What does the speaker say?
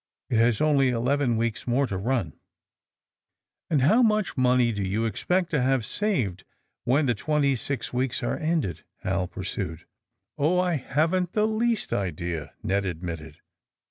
*^It has only eleven weeks more to run. '' *^And how much money do you expect to have saved when the twenty six weeks are ended?" Hal pursued. ^^Oh, I haven't the least idea," Ned admitted.